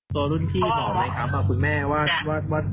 ตัวรุ่นพี่บอกไหมครับคุณแม่ว่า